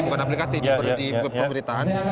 seperti di pemerintahan